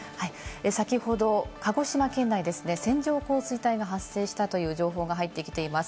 先ほど、鹿児島県内ですね、線状降水帯が発生したという情報が入ってきています。